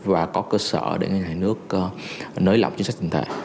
và có cơ sở để ngân hàng nước nới lọc chính sách trình thể